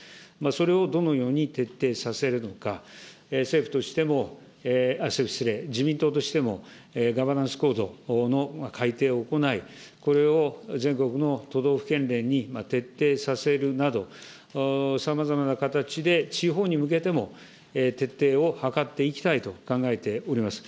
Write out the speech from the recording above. それをどのように徹底させるのか、政府としても、失礼、自民党としても、ガバナンス・コードの改定を行い、これを全国の都道府県県連に徹底させるなど、さまざまな形で地方に向けても徹底を図っていきたいと考えております。